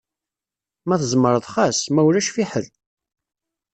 Ma tzemreḍ xas, ma ulac fḥel.